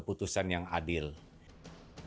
dan juga yang dapat mencidrai kebersamaan kita